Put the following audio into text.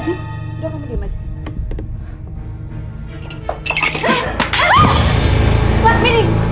bisa berubah juga